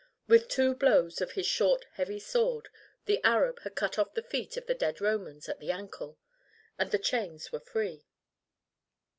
With two blows of his short heavy sword the Arab had cut off the feet of the dead Romans at the ankle, and the chains were free.